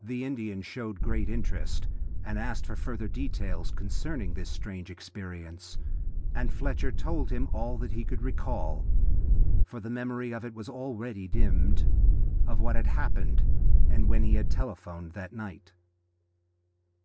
The Indian showed great interest and asked for further details concerning this strange experience, and Fletcher told him all that he could recall for the memory of it was already dimmed of what had happened when he had telephoned that night.